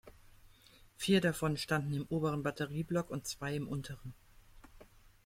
Vier davon standen im oberen Batterieblock und zwei im unteren.